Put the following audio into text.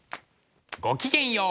ごきげんよう！